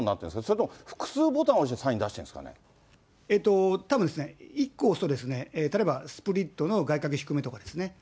それとも、複数ボタンを押して、たぶんですね、１個押すと、例えばスプリットの外角低めとかですね。